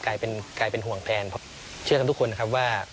กลายเป็นห่วงแทนเพราะเชื่อกันทุกคนนะครับว่า